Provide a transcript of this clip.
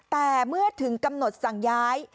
แต่เมื่อถึงกำหนดสั่งย้าย